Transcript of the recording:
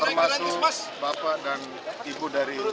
termasuk bapak dan ibu dari rumah